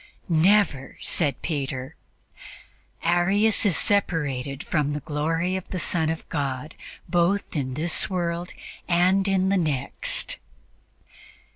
"Never," said Peter. "Arius is separated from the glory of the Son of God both in this world and in the next."